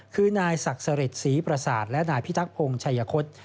คือนายศักดิ์สริตศรีประสาทและนายพิทักพงศ์ชัยคศ